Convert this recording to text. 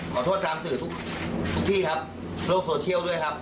ขอโทษตามสื่อทุกที่ครับโลกโซเชียลด้วยครับ